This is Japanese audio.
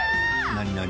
何何？